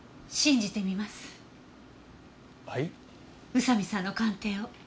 宇佐見さんの鑑定を。